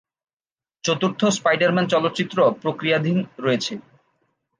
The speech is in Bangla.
চতুর্থ স্পাইডার-ম্যান চলচ্চিত্রও প্রক্রিয়াধীন রয়েছে।